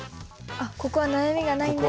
あっ「ここは悩みがないんだよ」。